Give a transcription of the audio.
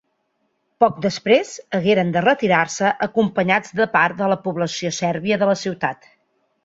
Poc després, hagueren de retirar-se, acompanyats de part de la població sèrbia de la ciutat.